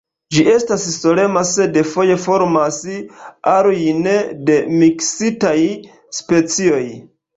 Ĝi estas solema, sed foje formas arojn de miksitaj specioj.